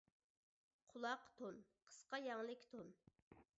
قۇلاق تون : قىسقا يەڭلىك تون.